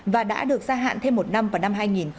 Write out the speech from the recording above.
và đã được gia hạn thêm một năm vào năm hai nghìn hai mươi hai